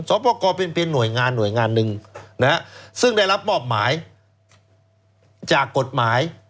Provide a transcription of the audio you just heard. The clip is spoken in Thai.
สอปอกอเป็นหน่วยงานหน่วยงานหนึ่งซึ่งได้รับปรอบหมายจากกฎหมาย